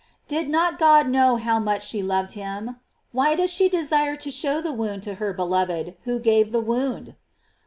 "* Did not God know how much she loved him ? Why does she desire to show the wound to her beloved who gave the wound